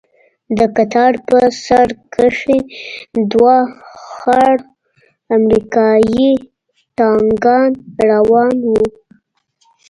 د کتار په سر کښې دوه خړ امريکايي ټانگان روان وو.